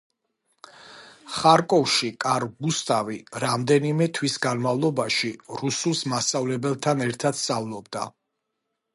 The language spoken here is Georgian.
ხარკოვში კარლ გუსტავი რამდენიმე თვის განმავლობაში რუსულს მასწავლებელთან ერთად სწავლობდა.